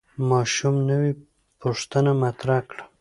ماشوم نوې پوښتنه مطرح کړه